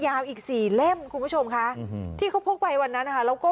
ยาวอีกสี่เล่มคุณผู้ชมค่ะที่เขาพกไปวันนั้นนะคะแล้วก็